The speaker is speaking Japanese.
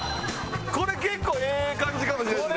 これ結構ええ感じかもしれないですね。